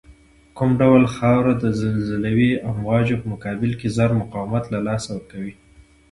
کوم ډول خاوره د زلزلوي امواجو په مقابل کې زر مقاومت له لاسه ورکوی